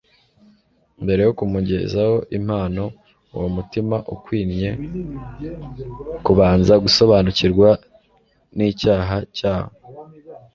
Mbere yo kumugezaho impano, uwo mutima ukwinye kubanza gusobanukirwa n'icyaha cyawo